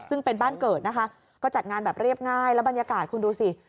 ซึ่งเป็นบ้านเกิดนะคะก็จัดงานแบบเรียบง่ายแล้วบรรยากาศคุณดูสิ